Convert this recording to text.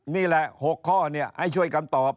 นี่แหละ๖ข้อให้ช่วยคำตอบ